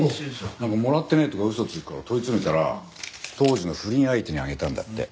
もらってねえとか嘘つくから問い詰めたら当時の不倫相手にあげたんだって。